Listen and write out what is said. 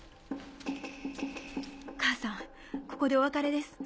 母さんここでお別れです。